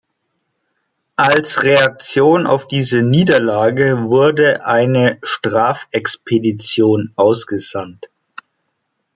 Als Reaktion auf diese Niederlage wurde eine Strafexpedition ausgesandt.